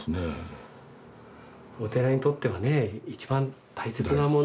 お寺にとってはね一番大切なもの。